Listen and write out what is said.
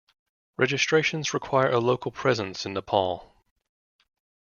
Registrations require a local presence in Nepal.